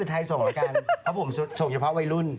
เพราะผมส่วนเฉพาะวัยรุ่น